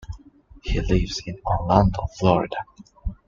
He lives in Orlando, Florida.